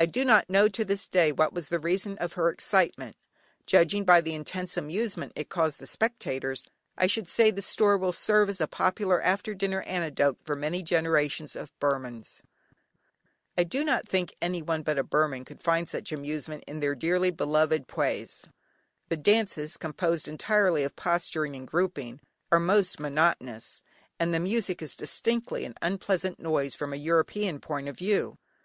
I do not know to this day what was the reason of her excitement. Judging by the intense amusement it caused the spectators, I should say the story will serve as a popular after dinner anecdote for many generations of Burmans. I do not think anyone but a Burman could find much amusement in their dearly beloved Pwés. The dances, composed entirely of posturing and grouping, are most monotonous, and the music is distinctly an unpleasant noise from a European point of view.